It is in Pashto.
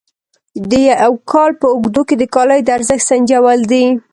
د یو کال په اوږدو د کالیو د ارزښت سنجول دي.